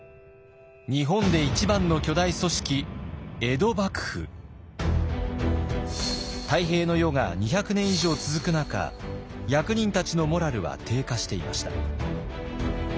日本で一番の巨大組織泰平の世が２００年以上続く中役人たちのモラルは低下していました。